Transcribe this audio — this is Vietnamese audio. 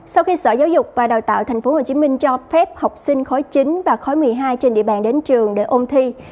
sau khi sở giáo dục và đào tạo tp hcm cho phép học sinh khối chín và khóa một mươi hai trên địa bàn đến trường để ôn thi